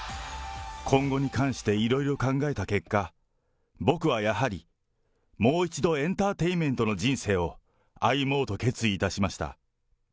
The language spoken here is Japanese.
今後に関していろいろ考えた結果、僕はやはり、もう一度エンターテインメントの人生を歩もうと決意いたしました。